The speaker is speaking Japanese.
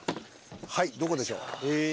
はいどこでしょう。